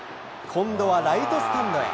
今度はライトスタンドへ。